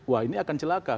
wah ini akan celaka